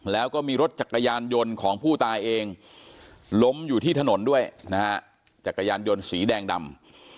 แล้วก็มีรถจักรยานยนต์ของผู้ตายเองล้มอยู่ที่ถนนด้วยนะฮะจักรยานยนต์สีแดงดำ